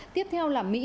tiếp theo là mỹ